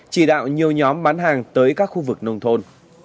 chỉ đạo nhiều nhóm bán hàng tới các khu vực nông thôn